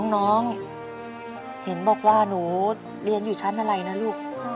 น้องเห็นบอกว่าหนูเรียนอยู่ชั้นอะไรนะลูก